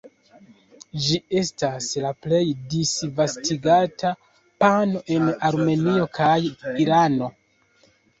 Ĝi estas la plej disvastigata pano en Armenio kaj Irano.